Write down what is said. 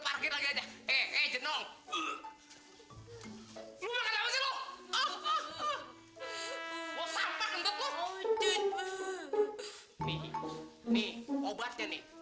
aku ini memang cantik aku ini memang manis